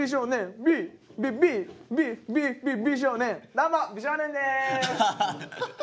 どうも美少年です！